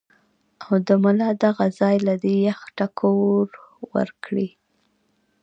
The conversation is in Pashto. او د ملا دغه ځائے له دې يخ ټکور ورکړي -